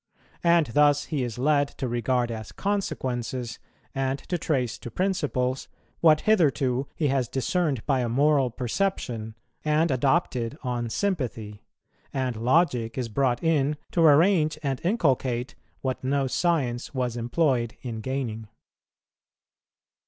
And thus he is led to regard as consequences, and to trace to principles, what hitherto he has discerned by a moral perception, and adopted on sympathy; and logic is brought in to arrange and inculcate what no science was employed in gaining.